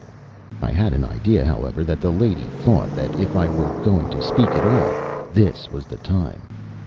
I had an idea, however, that the lady thought that, if I were going to speak at all, this was the time.